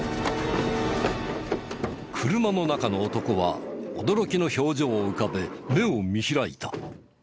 車の中の男は驚きの表情を浮かべ目を見開いた。